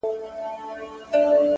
زغم د حکمت نښه ده.!